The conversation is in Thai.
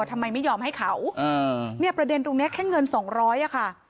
ทำไมไม่ยอมให้เขาเนี่ยประเด็นตรงนี้แค่เงินสองร้อยอ่ะค่ะ